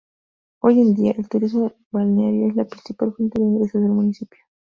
Hoy en día, el turismo balneario es la principal fuente de ingresos del municipio.